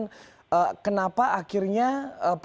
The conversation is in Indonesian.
kenapa akhirnya produsen mesin pesawat ini ini saya mau bertanyakan